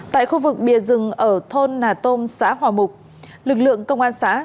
tại khu vực bìa rừng ở thôn nà tôn xã hòa mục lực lượng công an xã